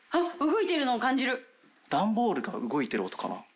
動いているのを感じる段ボールが動いてる音かな